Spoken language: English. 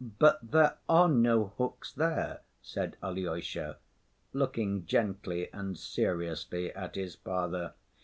"But there are no hooks there," said Alyosha, looking gently and seriously at his father.